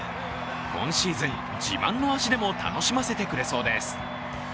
今シーズン、自慢の足でも楽しませてくれそうです。